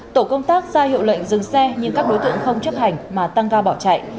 tổ công tác ra hiệu lệnh dừng xe nhưng các đối tượng không chấp hành mà tăng ga bỏ chạy